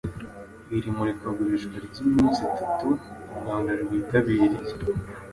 Iri murikagurisha ry’iminsi itatu u Rwanda rwitabiriye